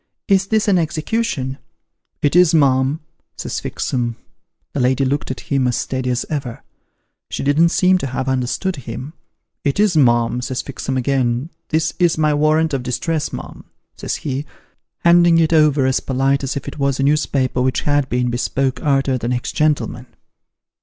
' Is this an execution ?' 'It is, mum,' says Fixem. The lady looked at him as steady as ever : she didn't seem to have understood him. ' It is, mum,' says Fixem again ;' this is my warrant of distress, mum,' says he, handing it over as polite as if it was a newspaper which had been bespoke arter the next gentleman.